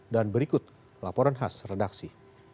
dan berikut laporan khas redaksi